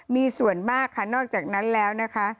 มีส่วนมากค่ะนอกจากนั้นแล้วนะคะ